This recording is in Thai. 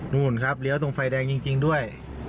นู่นครับเลี้ยวตรงไฟแดงจริงด้วย